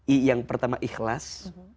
i yang pertama ikhlas